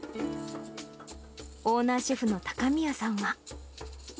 オーナーシェフの高宮さんは。